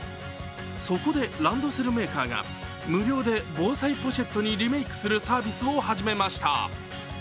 そこで、ランドセルメーカーが無料で防災ポシェットにリメークするサービスを始めました。